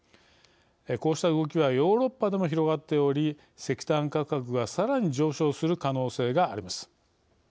こうした動きはヨーロッパでも広がっており石炭価格がさらに上昇する可能性があります。